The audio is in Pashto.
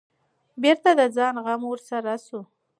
بېرته د ځان غم ورسره شو.